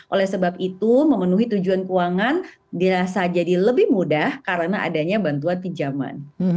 oleh sebab itu memenuhi tujuan keuangan dirasa jadi lebih mudah karena adanya bantuan pinjaman